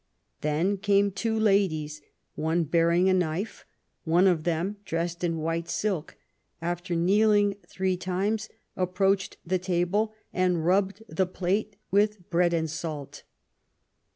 Then came two ladies, one bearing a knife ; one of them dressed in white silk, after kneeling three times, approached the table and rubbed the plate with bread and salt.